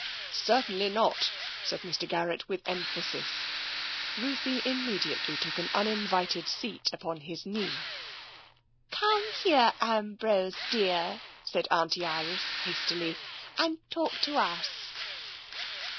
"Certainly not," said Mr. Garrett, with emphasis. Ruthie immediately took an uninvited seat upon his knee. " Come here, Ambrose dear," said Auntie Iris has tily, "and talk to us."